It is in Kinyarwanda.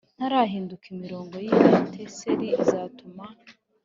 Ntarahinguka imiborogo y i beteseli izatuma